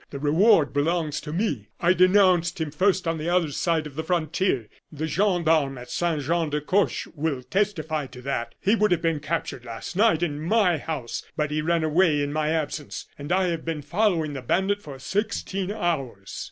"The reward belongs to me I denounced him first on the other side of the frontier. The gendarmes at Saint Jean de Coche will testify to that. He would have been captured last night in my house, but he ran away in my absence; and I have been following the bandit for sixteen hours."